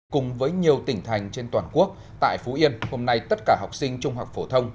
cùng với nhiều tỉnh thành trên toàn quốc tại phú yên hôm nay tất cả học sinh trung học phổ thông